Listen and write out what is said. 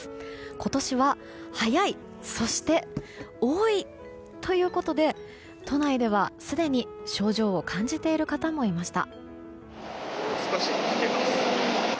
今年は早いそして多いということで都内では、すでに症状を感じている方もいました。